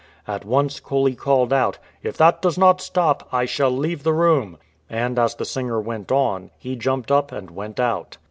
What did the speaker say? At once Coley called out, "If that does not stop, I shall leave the room ""; and as the singer went on, he jumped up and went out.